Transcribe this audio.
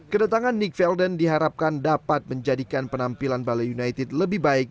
kedatangan nick velden diharapkan dapat menjadikan penampilan bali united lebih baik